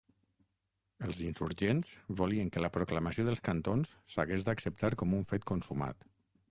Els insurgents volien que la proclamació dels cantons s'hagués d'acceptar com un fet consumat.